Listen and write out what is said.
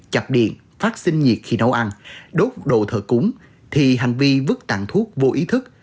chặt điện phát sinh nhiệt khi nấu ăn đốt đồ thợ cúng thì hành vi vứt tàn thuốc vô ý thức